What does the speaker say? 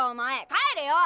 帰れよ！